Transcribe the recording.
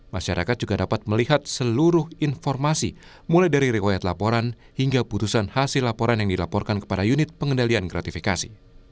masyarakat juga dapat melihat seluruh informasi mulai dari riwayat laporan hingga putusan hasil laporan yang dilaporkan kepada unit pengendalian gratifikasi